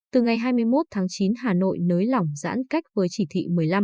từ ngày hai mươi một tháng chín hà nội nới lỏng giãn cách với chỉ thị một mươi năm